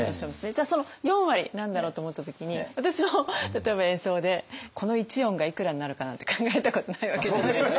じゃあその４割何だろうと思った時に私も例えば演奏でこの１音がいくらになるかなって考えたことないわけじゃないですか。